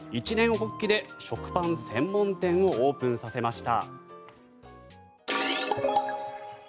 発起で食パン専門店をオープンさせました。